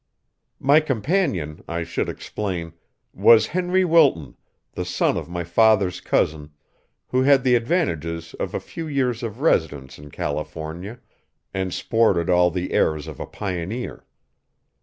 My companion, I should explain, was Henry Wilton, the son of my father's cousin, who had the advantages of a few years of residence in California, and sported all the airs of a pioneer.